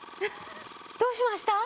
・どうしました？